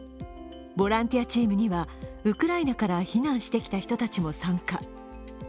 ボランティアチームにはウクライナから避難してきた人たちも参加。